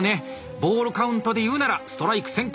ボールカウントでいうならストライク先行！